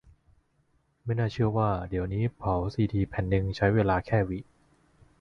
ไม่น่าเชื่อว่าเดี๋ยวนี้เผาซีดีแผ่นนึง ใช้เวลาแค่ วิ